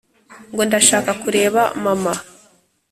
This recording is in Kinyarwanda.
ngo ndashaka kureba mama.